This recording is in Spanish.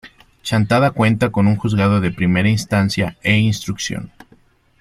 Chantada cuenta con un Juzgado de Primera Instancia e Instrucción.